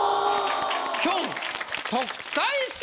きょん特待生！